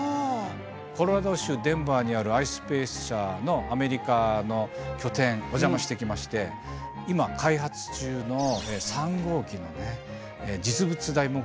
コロラド州デンバーにあるｉｓｐａｃｅ社のアメリカの拠点お邪魔してきまして今開発中の３号機のね実物大模型を拝見しました。